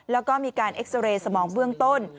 แล้วก็มีการเอ็กซาเรย์สมองเบื้องต้น